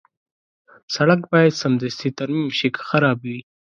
سړک باید سمدستي ترمیم شي که خراب وي.